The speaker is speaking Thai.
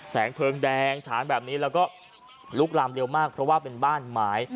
แสงเพลิงแดงฉานแบบนี้แล้วก็ลุกลามเร็วมากเพราะว่าเป็นบ้านหมาย